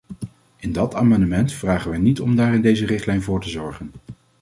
In dat amendement vragen wij niet om daar in deze richtlijn voor te zorgen.